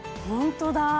ホントだ！